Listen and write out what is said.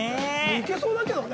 いけそうだけれどもね？